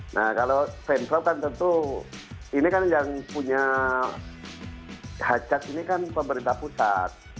nah kalau pemprov kan tentu ini kan yang punya hajat ini kan pemerintah pusat